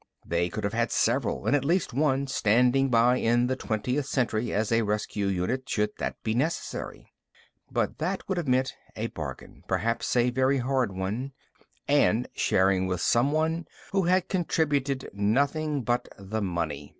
They could have had several and at least one standing by in the twentieth century as a rescue unit, should that be necessary. But that would have meant a bargain, perhaps a very hard one, and sharing with someone who had contributed nothing but the money.